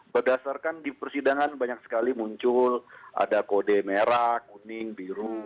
berdasarkan di persidangan banyak sekali muncul ada kode merah kuning biru